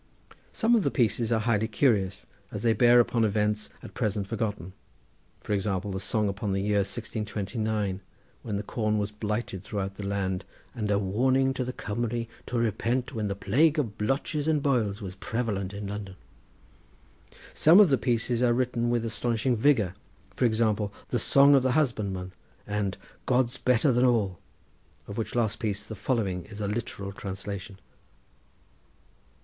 Some of the pieces are highly curious, as they bear upon events at present forgotten; for example, the song upon the year 1629, when the corn was blighted throughout the land, and "A Warning to the Cumry to repent when the Plague of Blotches and Boils was prevalent in London." Some of the pieces are written with astonishing vigour, for example, "The Song of the Husbandman," and "God's Better than All," of which last piece the following is a literal translation.